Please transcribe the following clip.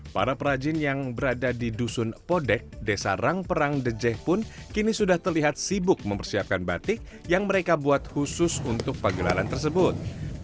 para perajin yang berada di dusun podek desa rangperang dejeh pun kini sudah terlihat sibuk mempersiapkan batik yang mereka buat khusus untuk pagelaran tersebut